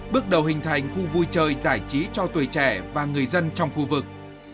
bước đầu hình thành khu vui chơi giải trí cho tuổi trẻ và người dân trong khu vực